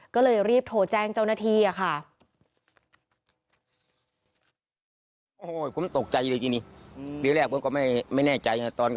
ก็เลยรีบโทรแจ้งเจ้าหน้าที่ค่ะ